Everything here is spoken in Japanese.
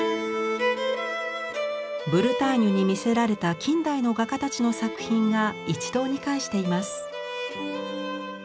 ブルターニュに魅せられた近代の画家たちの作品が一堂に会しています。